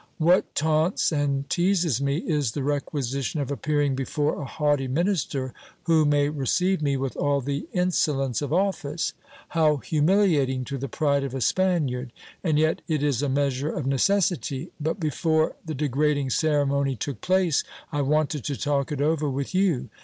What taunts and teases me, is the requisition of appearing before a hiughty minister, who may receive me with all the insolence of office. How humiliating to the pride of a Spaniard ! And yet it is a measure of necessity ; b it before the degrading ceremony took place, I wanted to talk it over with you.